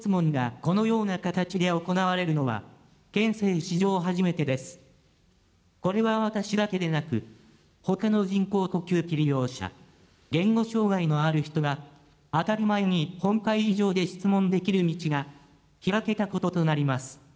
これは私だけでなく、ほかの人工呼吸器利用者、言語障害のある人が当たり前に本会議場で質問できる道がひらけたこととなります。